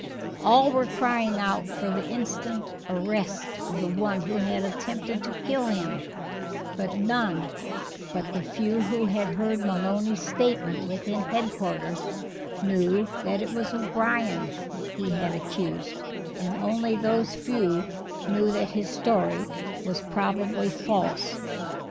All were crying out for the instant arrest of the one who had attempted to kill him, but none but the few who had heard Maloney's statement within headquarters knew that it was O'Brien he had accused and only those few knew that his story was probably false.